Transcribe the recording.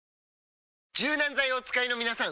柔軟剤をお使いのみなさん！